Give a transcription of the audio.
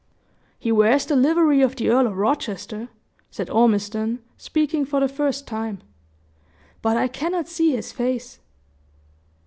"He wears the livery of the Earl of Rochester," said Ormiston, speaking for the first time, "but I cannot see his face."